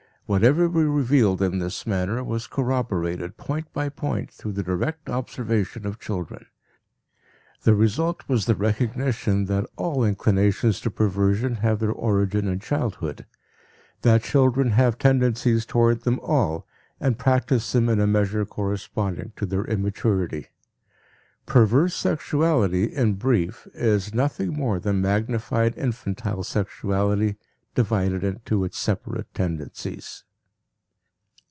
Whatever we revealed in this manner was corroborated point by point through the direct observation of children. The result was the recognition that all inclinations to perversion have their origin in childhood, that children have tendencies toward them all and practice them in a measure corresponding to their immaturity. Perverse sexuality, in brief, is nothing more than magnified infantile sexuality divided into its separate tendencies.